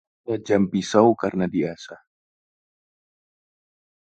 Tajam pisau karena diasah